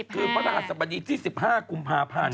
คือพระอาจารย์สมมุติที่๑๕กุมภาพันธุ์